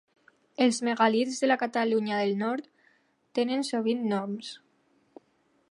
Els megàlits de la Catalunya del Nord tenen sovint noms.